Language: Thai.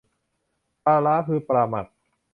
ปลาร้า คือปลาหมัก